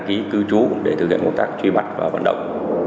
ký cư trú để thực hiện công tác truy mặt và vận động